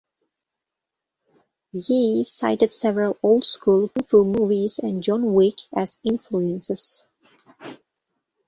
Yee cited several "old school kung fu movies" and "John Wick" as influences.